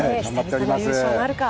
久々の優勝なるか。